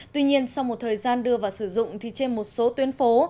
tuy nhiên sau một thời gian đưa vào sử dụng thì trên một số tuyến phố